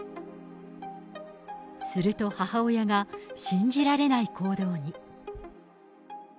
すると母親が信じられない行動に。